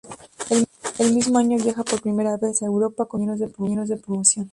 El mismo año viaja por primera vez a Europa con sus compañeros de promoción.